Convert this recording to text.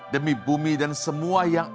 demi bumi dan semua yang